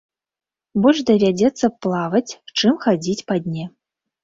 Больш давядзецца плаваць, чым хадзіць па дне.